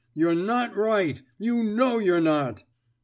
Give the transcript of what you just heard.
You're not right. You know you're not."